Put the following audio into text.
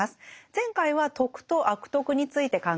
前回は「徳」と「悪徳」について考えました。